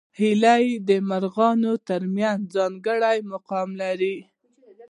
هیلۍ د مرغانو تر منځ ځانګړی مقام لري